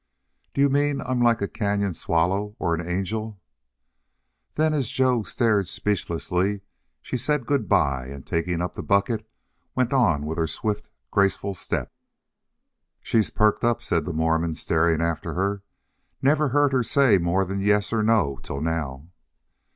"Do you mean I'm like a cañon swallow or an angel?" Then, as Joe stared speechlessly, she said good by and, taking up the bucket, went on with her swift, graceful step. "She's perked up," said the Mormon, staring after her. "Never heard her say more 'n yes or no till now."